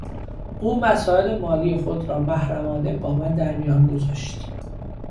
او مسایل مالی خود را محرمانه با من در میان گذاشت.